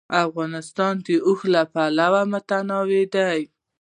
افغانستان د اوښ له پلوه متنوع دی.